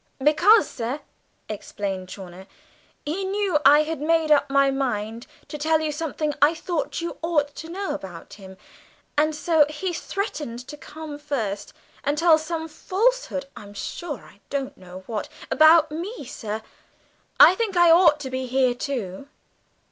"Because, sir," explained Chawner, "he knew I had made up my mind to tell you something I thought you ought to know about him, and so he threatened to come first and tell some falsehood (I'm sure I don't know what) about me, sir. I think I ought to be here too."